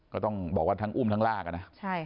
ก็ต้องบอกว่าทั้งอุ้มทั้งลากอะนะ